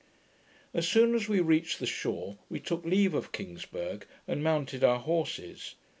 As soon as we reached the shore, we took leave of Kingsburgh, and mounted our horses.